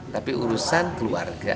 tapi urusan keluarga